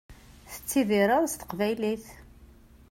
Tettidireḍ s teqbaylit.